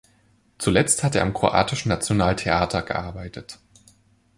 Zuletzt hat er am Kroatischen Nationaltheater gearbeitet.